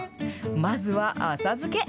まずは、浅漬け。